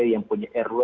yang punya rw